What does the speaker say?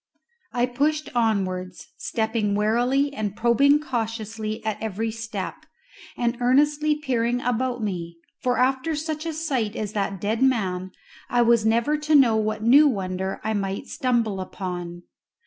I pushed onwards, stepping warily and probing cautiously at every step, and earnestly peering about me, for after such a sight as that dead man I was never to know what new wonder I might stumble upon.